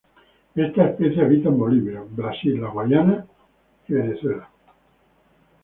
Esta especie habita en Bolivia, Brasil, las Guayanas y Venezuela.